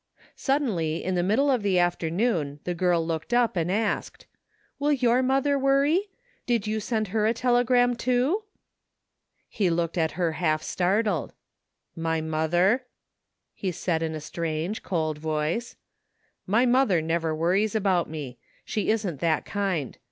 Suddenly, in the middle of the afternoon the girl looked up and asked :" Will your mother worry? Did you send her a telegram, too? " He looked at her half startled. " My mother? " he said in a strange, cold voice. '* My mother never worries about me. She isn't that kind.